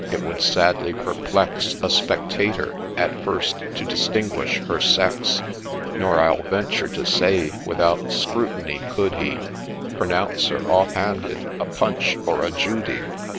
— it would sadly perplex A spectator at first to distinguish her sex ; Nor, I'll venture to say, without scrutiny could he Pronounce her, off handed, a Punch or a Judy.